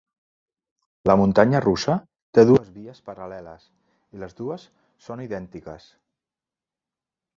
La muntanya russa té dues vies paral·leles, i les dues són idèntiques.